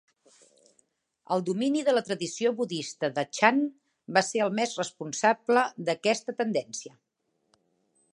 El domini de la tradició budista de Ch'an va ser el més responsable d'aquesta tendència.